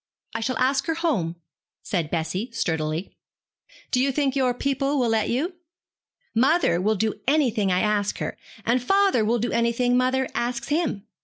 I shall ask her home,' said Bessie, sturdily. 'Do you think your people will let you?' 'Mother will do anything I ask her, and father will do anything mother asks him.